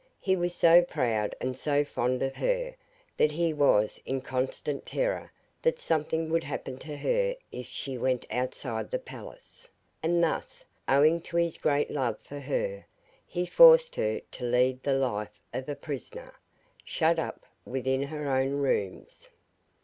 He was so proud and so fond of her, that he was in constant terror that something would happen to her if she went outside the palace, and thus, owing to his great love for her, he forced her to lead the life of a prisoner, shut up within her own rooms.